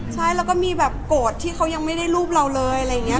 ใช่แล้วก็มีแบบโกรธที่เขายังไม่ได้รูปเราเลยอะไรอย่างนี้